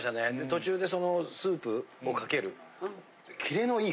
途中でスープをかける。